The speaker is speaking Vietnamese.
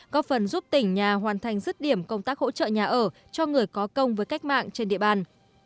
có phần giúp tỉnh nhà hoàn thành dứt điểm công tác hỗ trợ nhà ở cho người có công với cách mạng trên địa bàn